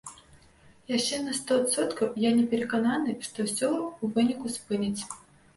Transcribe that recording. Яшчэ на сто адсоткаў я не перакананы, што ўсё ў выніку спыняць.